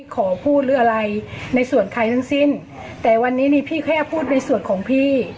ขอพูดหรืออะไรในส่วนใครทั้งสิ้นแต่วันนี้นี่พี่แค่พูดในส่วนของพี่